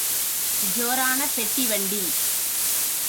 ஜோரான பெட்டி வண்டி!